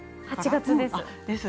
８月です。